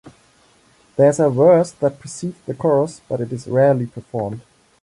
There is a verse that precedes the chorus, but it is rarely performed.